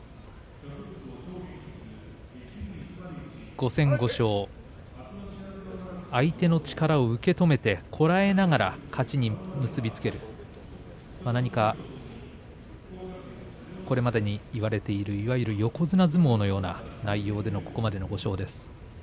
５戦５勝、相手の力を受け止めてこらえながら勝ちに結び付けるなにか、これまでに言われているいわゆる横綱相撲のような内容でのここまでの５勝です。